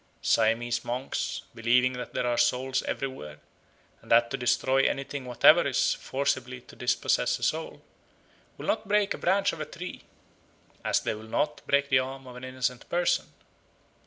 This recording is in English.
Siamese monks, believing that there are souls everywhere, and that to destroy anything whatever is forcibly to dispossess a soul, will not break a branch of a tree, "as they will not break the arm of an innocent person."